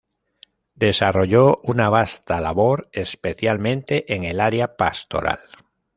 Desarrolló una vasta labor, especialmente en el área pastoral.